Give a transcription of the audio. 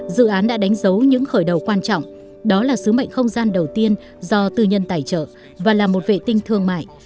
dự án đã đánh dấu những khởi đầu quan trọng đó là sứ mệnh không gian đầu tiên do tư nhân tài trợ và là một vệ tinh thương mại